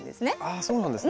あそうなんですね。